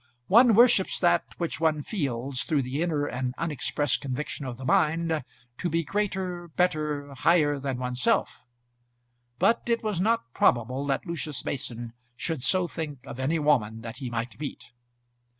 One worships that which one feels, through the inner and unexpressed conviction of the mind, to be greater, better, higher than oneself; but it was not probable that Lucius Mason should so think of any woman that he might meet.